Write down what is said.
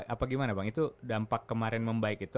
apa gimana bang itu dampak kemarin membaik itu